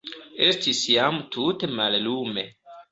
Estis jam tute mallume.